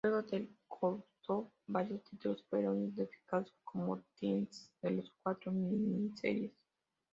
Luego de "Countdown", varios títulos fueron identificados como tie-ins de las cuatro mini-series.